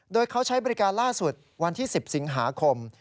โดยเขาใช้บริการล่าสุดวันที่๑๐สิงหาคม